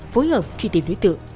phối hợp truy tìm đối tượng